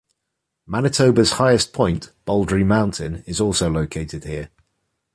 Manitoba's highest point, Baldy Mountain, is also located here.